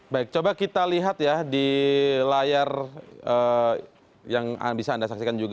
baik coba kita lihat ya di layar yang bisa anda saksikan juga